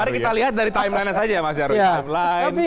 mari kita lihat dari timelinenya saja ya mas nyaru